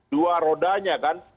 dua rodanya kan